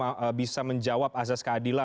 dan otopsi ulang bisa menjawab asas keadilan